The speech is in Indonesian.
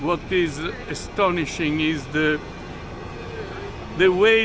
apa yang menakjubkan adalah